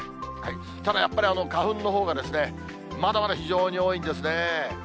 ただ、やっぱり花粉のほうが、まだまだ非常に多いんですね。